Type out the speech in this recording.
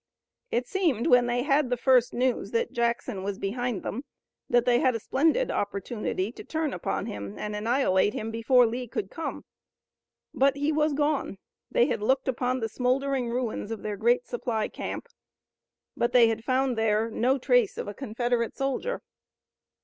It seemed when they had the first news that Jackson was behind them, that they had a splendid opportunity to turn upon him and annihilate him before Lee could come. But he was gone. They had looked upon the smoldering ruins of their great supply camp, but they had found there no trace of a Confederate soldier.